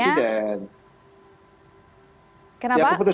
ya keputusan akhirnya kan ada pada presiden